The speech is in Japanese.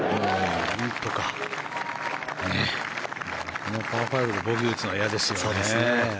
このパー５でボギーを打つのは嫌ですよね。